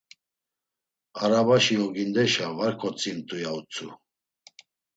Arabaşi ogindeşa var ǩotzimt̆u, ya utzu.